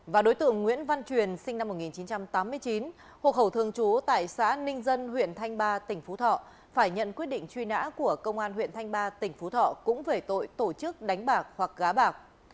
và đối tượng nguyễn văn truyền sinh năm một nghìn chín trăm tám mươi chín hộ khẩu thường trú tại xã ninh dân huyện thanh ba tỉnh phú thọ phải nhận quyết định truy nã của công an huyện thanh ba tỉnh phú thọ cũng về tội tổ chức đánh bạc hoặc gá bạc